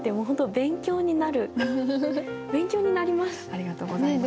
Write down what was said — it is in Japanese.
勉強になります。